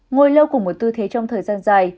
ngồi lâu cùng một tư thế trong thời gian dài